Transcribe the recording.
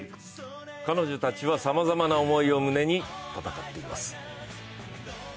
彼女たちはさまざまな思いを胸に戦っています。